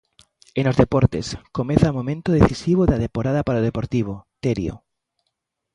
E nos deportes, comeza o momento decisivo da temporada para o Deportivo, Terio.